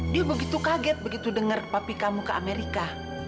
dia begitu kaget begitu denger papi kamu ke amerika